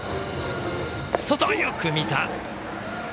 外、よく見た。